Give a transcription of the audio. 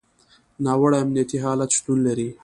ناوړه امنیتي حالت شتون لري.